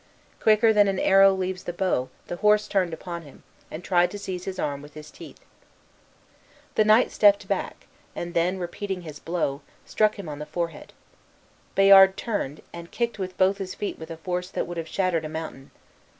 Quicker than an arrow leaves the bow the horse turned upon him, and tried to seize his arm with his teeth. The knight stepped back, and then, repeating his blow, struck him on the forehead. Bayard turned, and kicked with both his feet with a force that would have shattered a mountain.